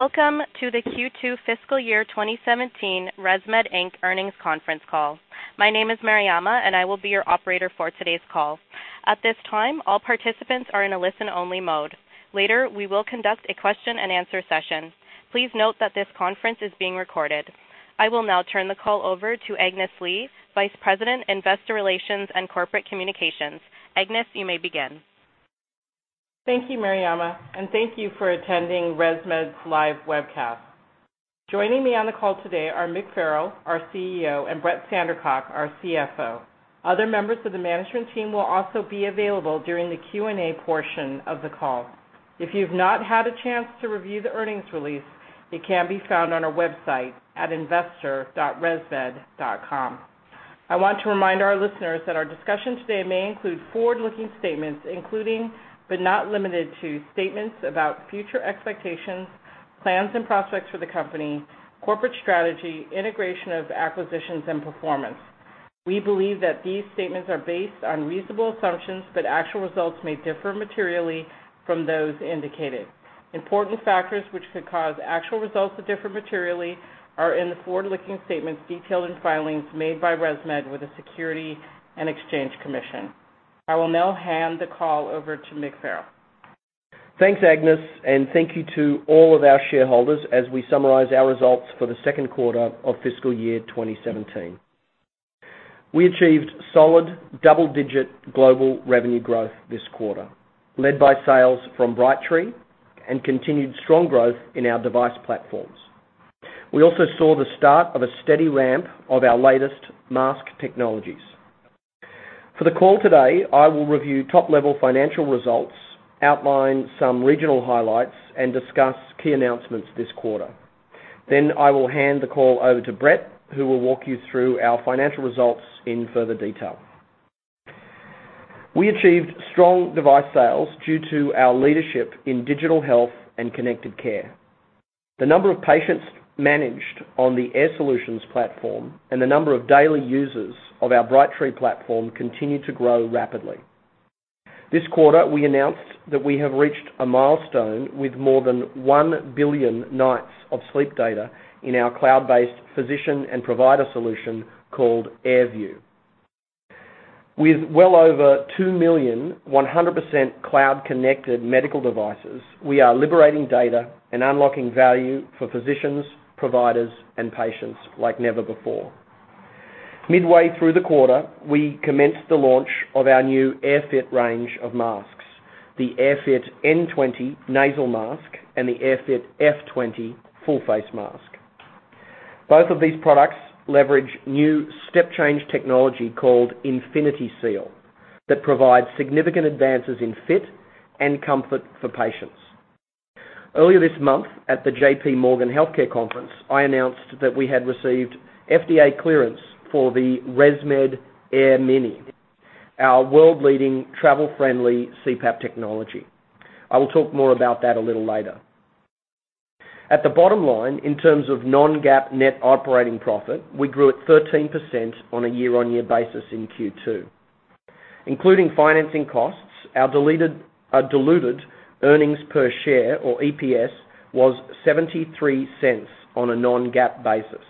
Welcome to the Q2 fiscal year 2017 ResMed Inc. earnings conference call. My name is Mariama, and I will be your operator for today's call. At this time, all participants are in a listen-only mode. Later, we will conduct a question and answer session. Please note that this conference is being recorded. I will now turn the call over to Agnes Lee, Vice President, Investor Relations and Corporate Communications. Agnes, you may begin. Thank you, Mariama, and thank you for attending ResMed's live webcast. Joining me on the call today are Mick Farrell, our CEO, and Brett Sandercock, our CFO. Other members of the management team will also be available during the Q&A portion of the call. If you've not had a chance to review the earnings release, it can be found on our website at investor.resmed.com. I want to remind our listeners that our discussion today may include forward-looking statements including, but not limited to, statements about future expectations, plans and prospects for the company, corporate strategy, integration of acquisitions and performance. We believe that these statements are based on reasonable assumptions, but actual results may differ materially from those indicated. Important factors which could cause actual results to differ materially are in the forward-looking statements detailed in filings made by ResMed with the Securities and Exchange Commission. I will now hand the call over to Mick Farrell. Thanks, Agnes, and thank you to all of our shareholders as we summarize our results for the second quarter of fiscal year 2017. We achieved solid double-digit global revenue growth this quarter, led by sales from Brightree and continued strong growth in our device platforms. We also saw the start of a steady ramp of our latest mask technologies. For the call today, I will review top-level financial results, outline some regional highlights, and discuss key announcements this quarter. I will hand the call over to Brett, who will walk you through our financial results in further detail. We achieved strong device sales due to our leadership in digital health and connected care. The number of patients managed on the Air Solutions platform and the number of daily users of our Brightree platform continue to grow rapidly. This quarter, we announced that we have reached a milestone with more than 1 billion nights of sleep data in our cloud-based physician and provider solution called AirView. With well over 2 million 100% cloud-connected medical devices, we are liberating data and unlocking value for physicians, providers, and patients like never before. Midway through the quarter, we commenced the launch of our new AirFit range of masks, the AirFit N20 nasal mask and the AirFit F20 full-face mask. Both of these products leverage new step change technology called InfinitySeal that provides significant advances in fit and comfort for patients. Earlier this month at the J.P. Morgan Healthcare Conference, I announced that we had received FDA clearance for the ResMed AirMini, our world-leading travel-friendly CPAP technology. I will talk more about that a little later. At the bottom line, in terms of non-GAAP net operating profit, we grew at 13% on a year-on-year basis in Q2. Including financing costs, our diluted earnings per share, or EPS, was $0.73 on a non-GAAP basis.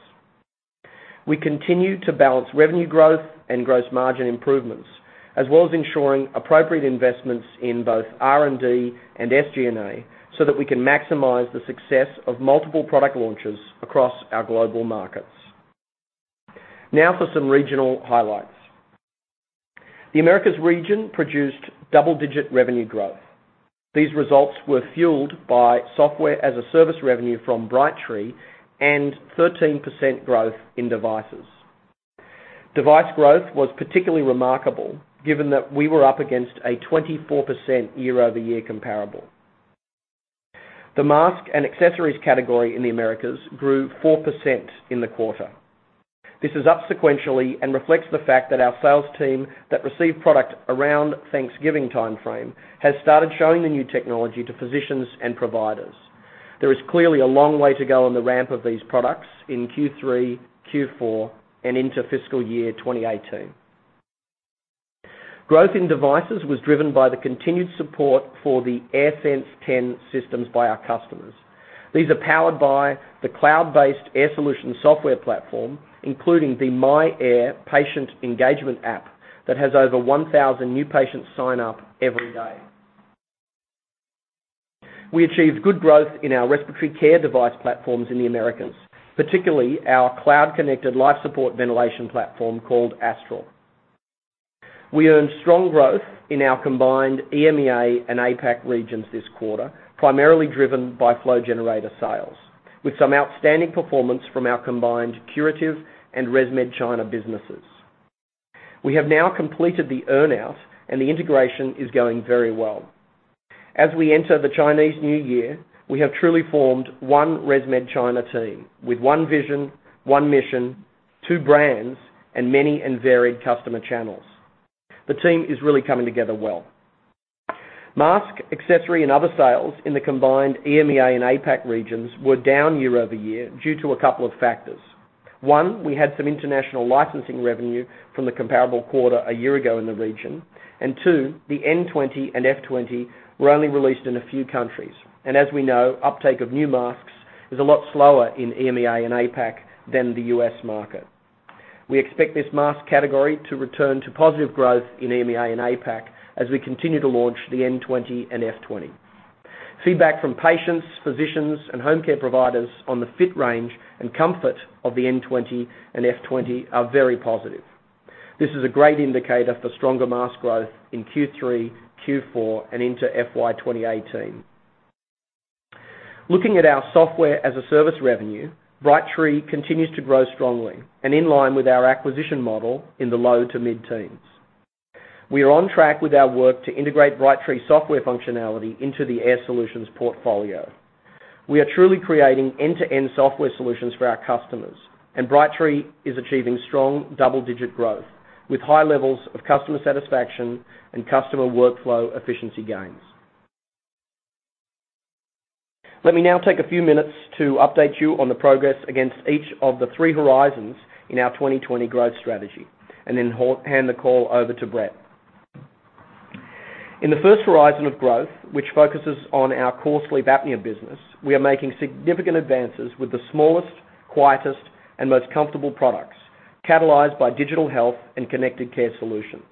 We continue to balance revenue growth and gross margin improvements, as well as ensuring appropriate investments in both R&D and SG&A so that we can maximize the success of multiple product launches across our global markets. Now for some regional highlights. The Americas region produced double-digit revenue growth. These results were fueled by Software-as-a-Service revenue from Brightree and 13% growth in devices. Device growth was particularly remarkable given that we were up against a 24% year-over-year comparable. The mask and accessories category in the Americas grew 4% in the quarter. This is up sequentially and reflects the fact that our sales team that received product around Thanksgiving timeframe has started showing the new technology to physicians and providers. There is clearly a long way to go on the ramp of these products in Q3, Q4, and into fiscal year 2018. Growth in devices was driven by the continued support for the AirSense 10 systems by our customers. These are powered by the cloud-based Air Solutions software platform, including the myAir patient engagement app that has over 1,000 new patients sign up every day. We achieved good growth in our respiratory care device platforms in the Americas, particularly our cloud-connected life support ventilation platform called Astral. We earned strong growth in our combined EMEA and APAC regions this quarter, primarily driven by flow generator sales, with some outstanding performance from our combined Curative and ResMed China businesses. We have now completed the earn-out, the integration is going very well. As we enter the Chinese New Year, we have truly formed one ResMed China team with one vision, one mission, two brands, and many and varied customer channels. The team is really coming together well. Mask, accessory, and other sales in the combined EMEA and APAC regions were down year-over-year due to a couple of factors. One, we had some international licensing revenue from the comparable quarter a year ago in the region. Two, the N20 and F20 were only released in a few countries. As we know, uptake of new masks is a lot slower in EMEA and APAC than the U.S. market. We expect this mask category to return to positive growth in EMEA and APAC as we continue to launch the N20 and F20. Feedback from patients, physicians, and home care providers on the fit range and comfort of the N20 and F20 are very positive. This is a great indicator for stronger mask growth in Q3, Q4, and into FY 2018. Looking at our software-as-a-service revenue, Brightree continues to grow strongly and in line with our acquisition model in the low to mid-teens. We are on track with our work to integrate Brightree software functionality into the Air Solutions portfolio. We are truly creating end-to-end software solutions for our customers, and Brightree is achieving strong double-digit growth with high levels of customer satisfaction and customer workflow efficiency gains. Let me now take a few minutes to update you on the progress against each of the three horizons in our 2020 growth strategy and then hand the call over to Brett. In the first horizon of growth, which focuses on our core sleep apnea business, we are making significant advances with the smallest, quietest, and most comfortable products, catalyzed by digital health and connected care solutions.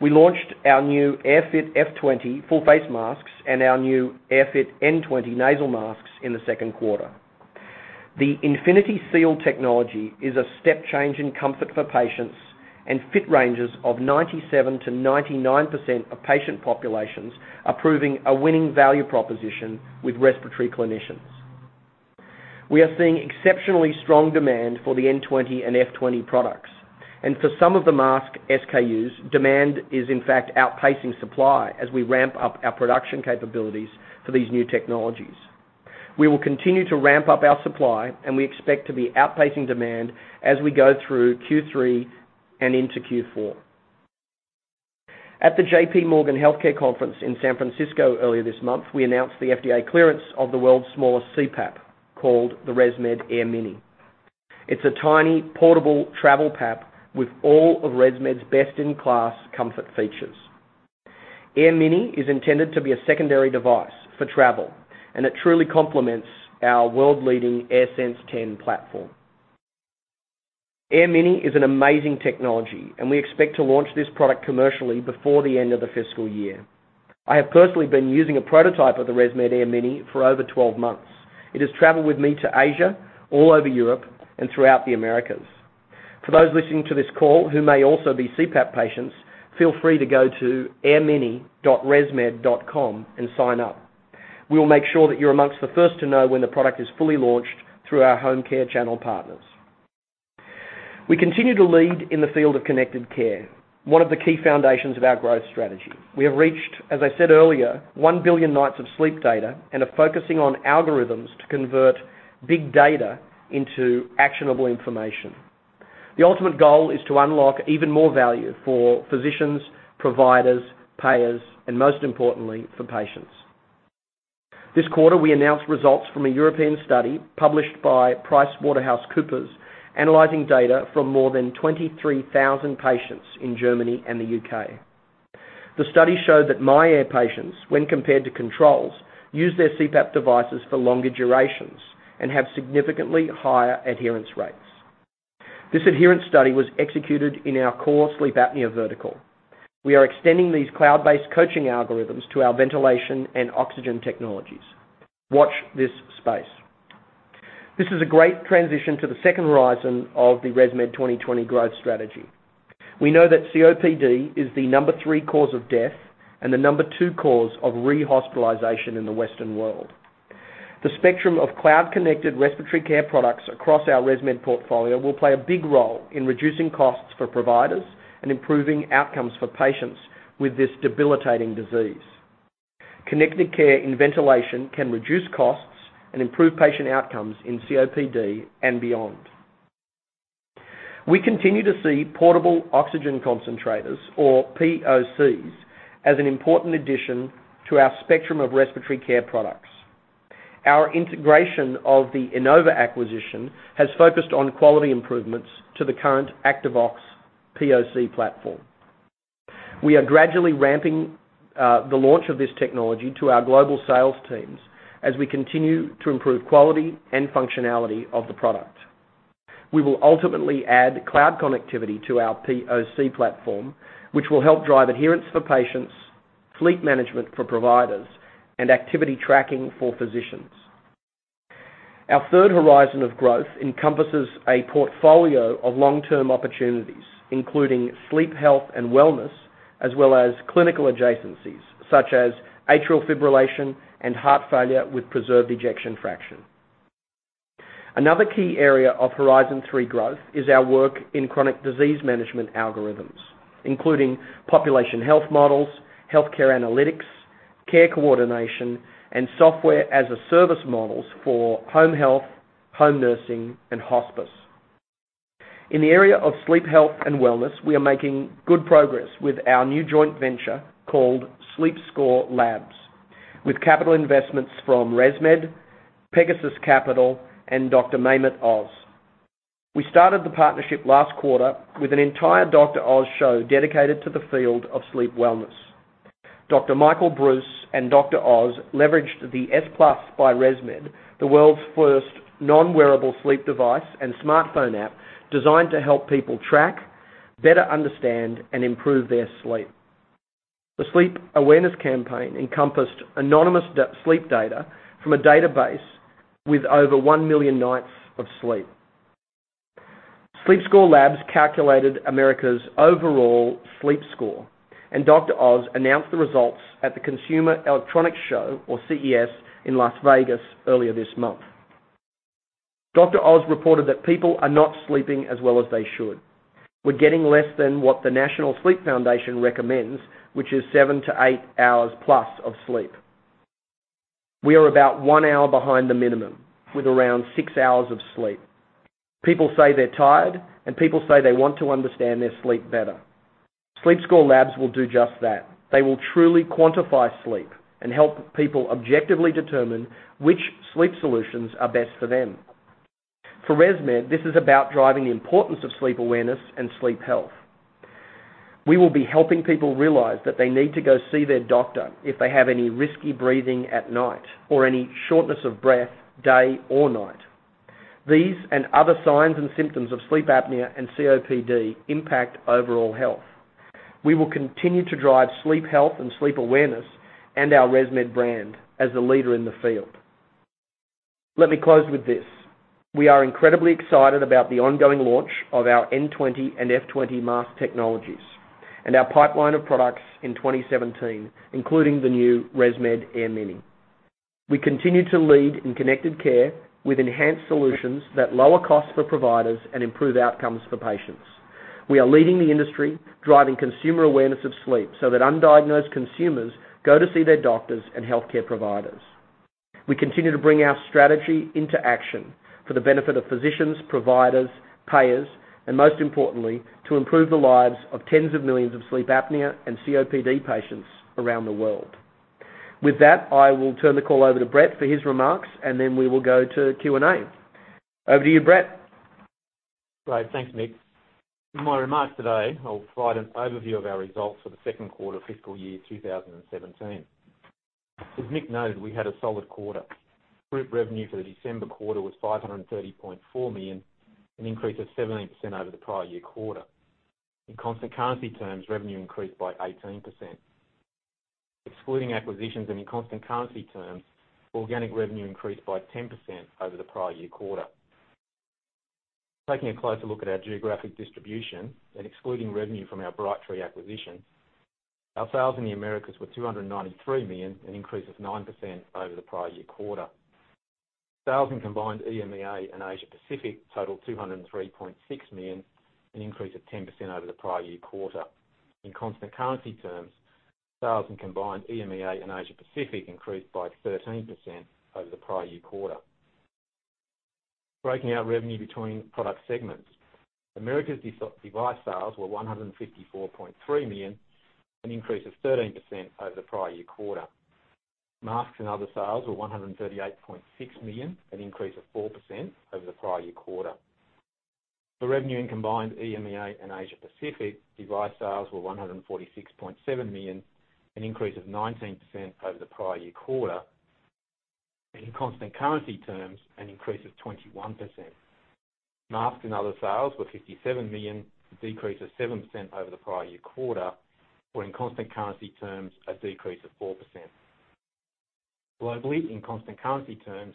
We launched our new AirFit F20 full face masks and our new AirFit N20 nasal masks in the second quarter. The InfinitySeal technology is a step change in comfort for patients, and fit ranges of 97%-99% of patient populations are proving a winning value proposition with respiratory clinicians. We are seeing exceptionally strong demand for the N20 and F20 products. For some of the mask SKUs, demand is in fact outpacing supply as we ramp up our production capabilities for these new technologies. We will continue to ramp up our supply, and we expect to be outpacing demand as we go through Q3 and into Q4. At the J.P. Morgan Healthcare Conference in San Francisco earlier this month, we announced the FDA clearance of the world's smallest CPAP, called the ResMed AirMini. It's a tiny, portable travel PAP with all of ResMed's best-in-class comfort features. AirMini is intended to be a secondary device for travel, and it truly complements our world-leading AirSense 10 platform. AirMini is an amazing technology, and we expect to launch this product commercially before the end of the fiscal year. I have personally been using a prototype of the ResMed AirMini for over 12 months. It has traveled with me to Asia, all over Europe, and throughout the Americas. For those listening to this call who may also be CPAP patients, feel free to go to airmini.resmed.com and sign up. We will make sure that you're amongst the first to know when the product is fully launched through our home care channel partners. We continue to lead in the field of connected care, one of the key foundations of our growth strategy. We have reached, as I said earlier, one billion nights of sleep data and are focusing on algorithms to convert big data into actionable information. The ultimate goal is to unlock even more value for physicians, providers, payers, and most importantly, for patients. This quarter, we announced results from a European study published by PricewaterhouseCoopers, analyzing data from more than 23,000 patients in Germany and the U.K. The study showed that myAir patients, when compared to controls, use their CPAP devices for longer durations and have significantly higher adherence rates. This adherence study was executed in our core sleep apnea vertical. We are extending these cloud-based coaching algorithms to our ventilation and oxygen technologies. Watch this space. This is a great transition to the second horizon of the ResMed 2020 growth strategy. We know that COPD is the number 3 cause of death and the number 2 cause of rehospitalization in the Western world. The spectrum of cloud-connected respiratory care products across our ResMed portfolio will play a big role in reducing costs for providers and improving outcomes for patients with this debilitating disease. Connected care and ventilation can reduce costs and improve patient outcomes in COPD and beyond. We continue to see portable oxygen concentrators, or POCs, as an important addition to our spectrum of respiratory care products. Our integration of the Inova acquisition has focused on quality improvements to the current Activox POC platform. We are gradually ramping the launch of this technology to our global sales teams as we continue to improve quality and functionality of the product. We will ultimately add cloud connectivity to our POC platform, which will help drive adherence for patients, fleet management for providers, and activity tracking for physicians. Our third horizon of growth encompasses a portfolio of long-term opportunities, including sleep health and wellness, as well as clinical adjacencies, such as atrial fibrillation and heart failure with preserved ejection fraction. Another key area of Horizon 3 growth is our work in chronic disease management algorithms, including population health models, healthcare analytics, care coordination, and software-as-a-service models for home health, home nursing, and hospice. In the area of sleep health and wellness, we are making good progress with our new joint venture called SleepScore Labs, with capital investments from ResMed, Pegasus Capital, and Dr. Mehmet Oz. We started the partnership last quarter with an entire Dr. Oz show dedicated to the field of sleep wellness. Dr. Michael Breus and Dr. Oz leveraged the S+ by ResMed, the world's first non-wearable sleep device and smartphone app designed to help people track, better understand, and improve their sleep. The sleep awareness campaign encompassed anonymous sleep data from a database with over 1 million nights of sleep. SleepScore Labs calculated America's overall sleep score, and Dr. Oz announced the results at the Consumer Electronics Show, or CES, in Las Vegas earlier this month. Dr. Oz reported that people are not sleeping as well as they should. We're getting less than what the National Sleep Foundation recommends, which is 7 to 8 hours plus of sleep. We are about 1 hour behind the minimum, with around 6 hours of sleep. People say they're tired, people say they want to understand their sleep better. SleepScore Labs will do just that. They will truly quantify sleep and help people objectively determine which sleep solutions are best for them. For ResMed, this is about driving the importance of sleep awareness and sleep health. We will be helping people realize that they need to go see their doctor if they have any risky breathing at night or any shortness of breath day or night. These and other signs and symptoms of sleep apnea and COPD impact overall health. We will continue to drive sleep health and sleep awareness and our ResMed brand as a leader in the field. Let me close with this. We are incredibly excited about the ongoing launch of our N20 and F20 mask technologies and our pipeline of products in 2017, including the new ResMed AirMini. We continue to lead in connected care with enhanced solutions that lower costs for providers and improve outcomes for patients. We are leading the industry, driving consumer awareness of sleep so that undiagnosed consumers go to see their doctors and healthcare providers. We continue to bring our strategy into action for the benefit of physicians, providers, payers, and most importantly, to improve the lives of tens of millions of sleep apnea and COPD patients around the world. With that, I will turn the call over to Brett for his remarks. Then we will go to Q&A. Over to you, Brett. Great. Thanks, Mick. In my remarks today, I'll provide an overview of our results for the second quarter of fiscal year 2017. As Mick noted, we had a solid quarter. Group revenue for the December quarter was $530.4 million, an increase of 17% over the prior year quarter. In constant currency terms, revenue increased by 18%. Excluding acquisitions and in constant currency terms, organic revenue increased by 10% over the prior year quarter. Taking a closer look at our geographic distribution and excluding revenue from our Brightree acquisition, our sales in the Americas were $293 million, an increase of 9% over the prior year quarter. Sales in combined EMEA and Asia Pacific totaled $203.6 million, an increase of 10% over the prior year quarter. In constant currency terms, sales in combined EMEA and Asia Pacific increased by 13% over the prior year quarter. Breaking out revenue between product segments. Americas device sales were $154.3 million, an increase of 13% over the prior year quarter. Masks and other sales were $138.6 million, an increase of 4% over the prior year quarter. For revenue in combined EMEA and Asia Pacific, device sales were $146.7 million, an increase of 19% over the prior year quarter, and in constant currency terms, an increase of 21%. Masks and other sales were $57 million, a decrease of 7% over the prior year quarter, or in constant currency terms, a decrease of 4%. Globally, in constant currency terms,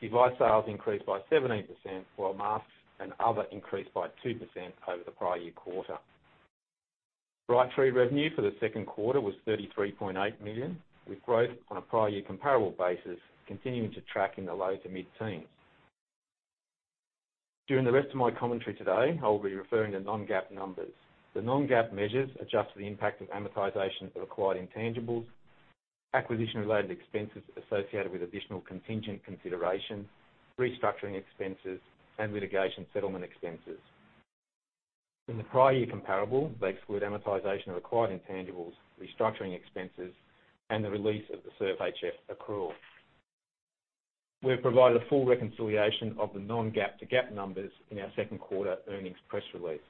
device sales increased by 17%, while masks and other increased by 2% over the prior year quarter. Brightree revenue for the second quarter was $33.8 million, with growth on a prior year comparable basis continuing to track in the low to mid-teens. During the rest of my commentary today, I will be referring to non-GAAP numbers. The non-GAAP measures adjust for the impact of amortization of acquired intangibles, acquisition-related expenses associated with additional contingent consideration, restructuring expenses, and litigation settlement expenses. In the prior year comparable, they exclude amortization of acquired intangibles, restructuring expenses, and the release of the SERVE-HF accrual. We have provided a full reconciliation of the non-GAAP to GAAP numbers in our second quarter earnings press release.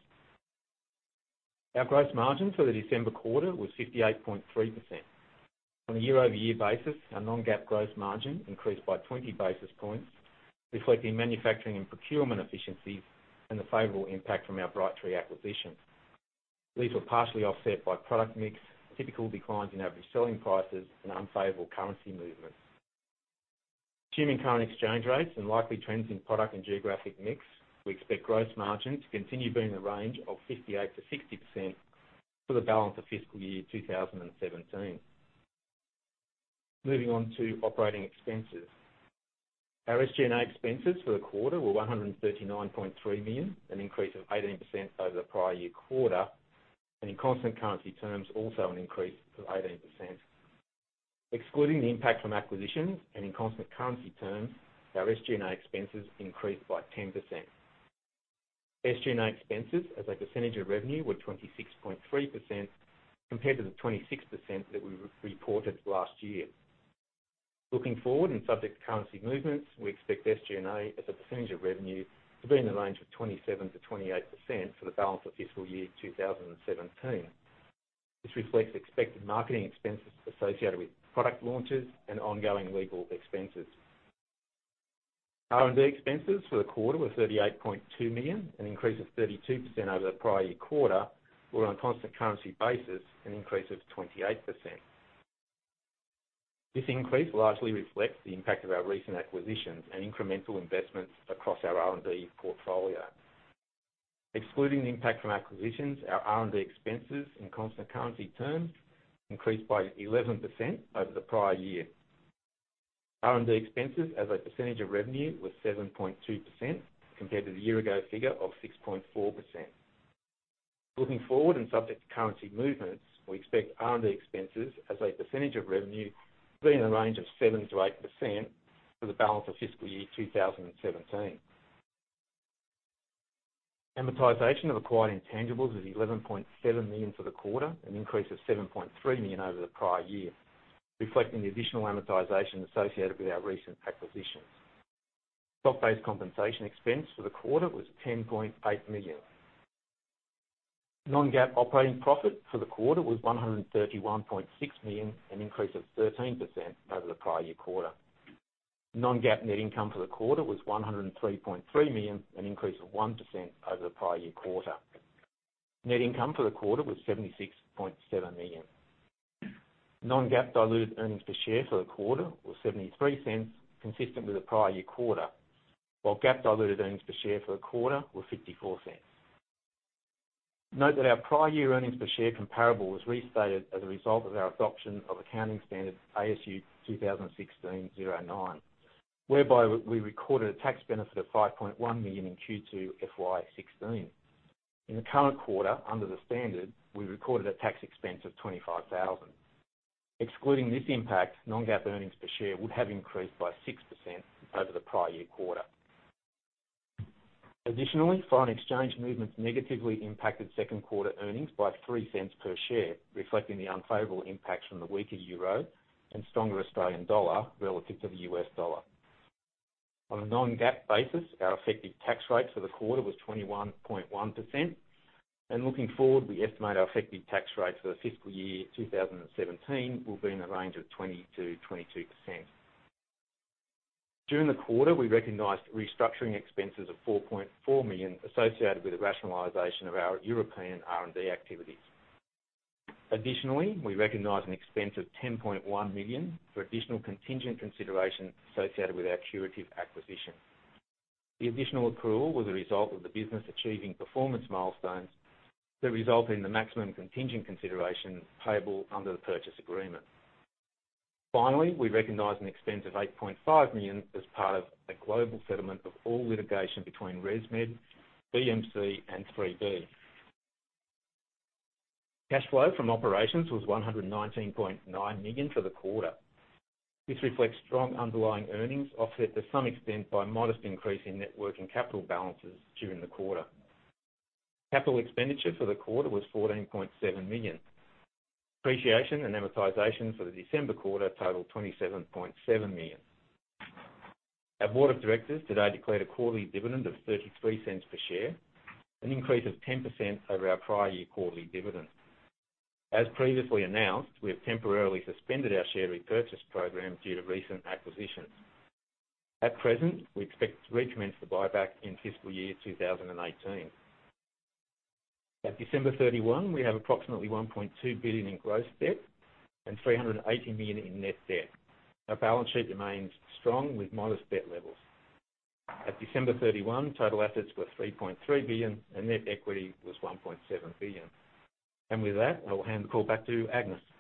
Our gross margin for the December quarter was 58.3%. On a year-over-year basis, our non-GAAP gross margin increased by 20 basis points, reflecting manufacturing and procurement efficiencies and the favorable impact from our Brightree acquisition. These were partially offset by product mix, typical declines in average selling prices, and unfavorable currency movements. Assuming current exchange rates and likely trends in product and geographic mix, we expect gross margin to continue being in the range of 58%-60% for the balance of fiscal year 2017. Moving on to operating expenses. Our SG&A expenses for the quarter were $139.3 million, an increase of 18% over the prior year quarter, and in constant currency terms, also an increase of 18%. Excluding the impact from acquisitions and in constant currency terms, our SG&A expenses increased by 10%. SG&A expenses as a percentage of revenue were 26.3% compared to the 26% that we reported last year. Looking forward, and subject to currency movements, we expect SG&A as a percentage of revenue to be in the range of 27%-28% for the balance of fiscal year 2017. This reflects expected marketing expenses associated with product launches and ongoing legal expenses. R&D expenses for the quarter were $38.2 million, an increase of 32% over the prior year quarter, or on a constant currency basis, an increase of 28%. This increase largely reflects the impact of our recent acquisitions and incremental investments across our R&D portfolio. Excluding the impact from acquisitions, our R&D expenses in constant currency terms increased by 11% over the prior year. R&D expenses as a percentage of revenue were 7.2% compared to the year ago figure of 6.4%. Looking forward, and subject to currency movements, we expect R&D expenses as a percentage of revenue to be in the range of 7%-8% for the balance of fiscal year 2017. Amortization of acquired intangibles is $11.7 million for the quarter, an increase of $7.3 million over the prior year, reflecting the additional amortization associated with our recent acquisitions. Stock-based compensation expense for the quarter was $10.8 million. Non-GAAP operating profit for the quarter was $131.6 million, an increase of 13% over the prior year quarter. Non-GAAP net income for the quarter was $103.3 million, an increase of 1% over the prior year quarter. Net income for the quarter was $76.7 million. Non-GAAP diluted earnings per share for the quarter were $0.73, consistent with the prior year quarter, while GAAP diluted earnings per share for the quarter were $0.54. Note that our prior year earnings per share comparable was restated as a result of our adoption of accounting standards ASU 2016-09, whereby we recorded a tax benefit of $5.1 million in Q2 FY 2016. In the current quarter, under the standard, we recorded a tax expense of $25,000. Excluding this impact, non-GAAP earnings per share would have increased by 6% over the prior year quarter. Additionally, foreign exchange movements negatively impacted second quarter earnings by $0.03 per share, reflecting the unfavorable impacts from the weaker EUR and stronger AUD relative to the US dollar. On a non-GAAP basis, our effective tax rate for the quarter was 21.1%. Looking forward, we estimate our effective tax rate for the fiscal year 2017 will be in the range of 20%-22%. During the quarter, we recognized restructuring expenses of $4.4 million associated with the rationalization of our European R&D activities. Additionally, we recognized an expense of $10.1 million for additional contingent consideration associated with our Curative acquisition. The additional accrual was a result of the business achieving performance milestones that result in the maximum contingent consideration payable under the purchase agreement. Finally, we recognized an expense of $8.5 million as part of a global settlement of all litigation between ResMed, BMC, and 3B Medical. Cash flow from operations was $119.9 million for the quarter. This reflects strong underlying earnings, offset to some extent by modest increase in net working capital balances during the quarter. Capital expenditure for the quarter was $14.7 million. Depreciation and amortization for the December quarter totaled $27.7 million. Our board of directors today declared a quarterly dividend of $0.33 per share, an increase of 10% over our prior year quarterly dividend. As previously announced, we have temporarily suspended our share repurchase program due to recent acquisitions. At present, we expect to recommence the buyback in fiscal year 2018. At December 31, we have approximately $1.2 billion in gross debt and $380 million in net debt. Our balance sheet remains strong with modest debt levels. At December 31, total assets were $3.3 billion and net equity was $1.7 billion. With that, I will hand the call back to Agnes.